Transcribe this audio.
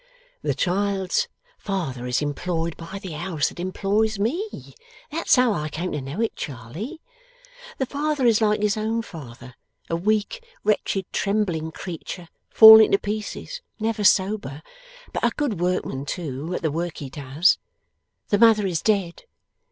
'The child's father is employed by the house that employs me; that's how I came to know it, Charley. The father is like his own father, a weak wretched trembling creature, falling to pieces, never sober. But a good workman too, at the work he does. The mother is dead.